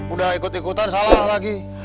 udah ikut ikutan salah lagi